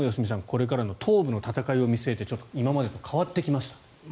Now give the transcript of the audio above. これからの東部の戦いを見据えて今までと変わってきました。